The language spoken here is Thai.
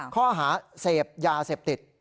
ข้อหาเศษบยาเศษบติด